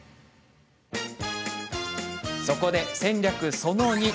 そこで、戦略その２。